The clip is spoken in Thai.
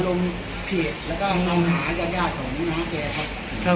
ก็เลยเรามาลงเพลงแล้วก็นำหาญาติของน้องแจ่ครับ